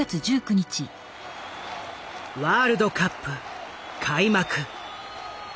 ワールドカップ開幕。